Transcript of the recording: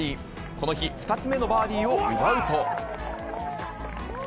この日、２つ目のバーディーを奪うと。